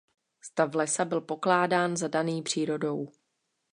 Stav lesa byl pokládán za daný přírodou.